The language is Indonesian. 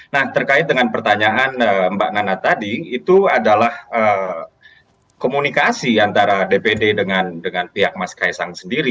nah terkait dengan pertanyaan mbak nana tadi itu adalah komunikasi antara dpd dengan pihak mas kaisang sendiri